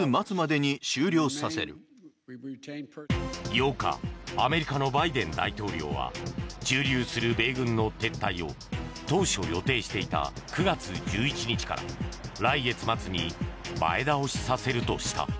８日アメリカのバイデン大統領は駐留する米軍の撤退を当初予定していた９月１１日から来月末に前倒しさせるとした。